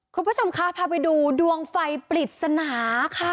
คุณผู้ชมคะพาไปดูดวงไฟปริศนาค่ะ